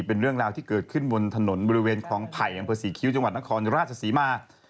เป็นเรื่องราวที่เกิดขึ้นบนถนนบริเวณคลองไผ่อำเภอศรีคิ้วจังหวัดนครราชศรีมา